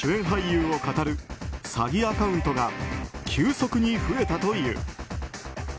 俳優をかたる詐欺アカウントが急速に増えたという。